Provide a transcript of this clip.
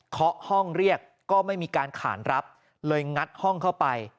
ห้องเรียกก็ไม่มีการขานรับเลยงัดห้องเข้าไป